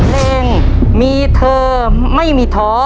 เพลงมีเธอไม่มีท้อ